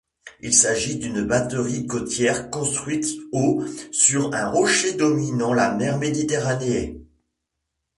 Il s'agit d'une batterie côtière construite au sur un rocher dominant la mer Méditerranée.